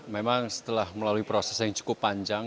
memang setelah melalui proses yang cukup panjang